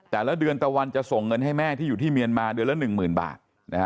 แต่ละเดือนตะวันจะส่งเงินให้แม่ที่อยู่ที่เมียนมาเดือนละ๑๐๐๐บาท